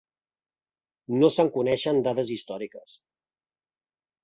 No se'n coneixen dades històriques.